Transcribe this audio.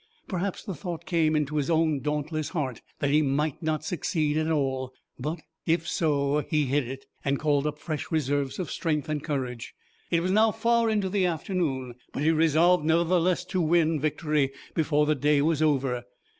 Perhaps the thought came into his own dauntless heart that he might not succeed at all, but, if so, he hid it, and called up fresh resources of strength and courage. It was now far into the afternoon but he resolved nevertheless to win victory before the day was over.